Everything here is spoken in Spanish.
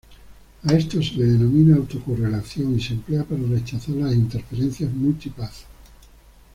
A esto se le denomina autocorrelación y se emplea para rechazar las interferencias "multi-path.